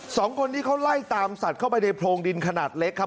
สองคนนี้เขาไล่ตามสัตว์เข้าไปในโพรงดินขนาดเล็กครับ